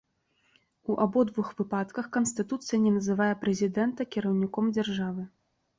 У абодвух выпадках канстытуцыя не называе прэзідэнта кіраўніком дзяржавы.